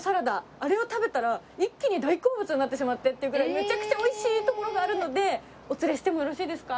あれを食べたら一気に大好物になってしまってっていうぐらいめちゃくちゃ美味しい所があるのでお連れしてもよろしいですか？